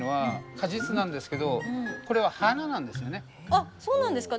あっそうなんですか？